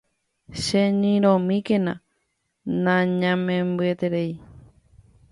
Cheñyrõmíkena nañañembyatýire.